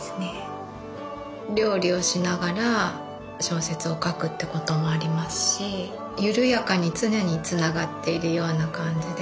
料理をしながら小説を書くってこともありますし緩やかに常につながっているような感じで。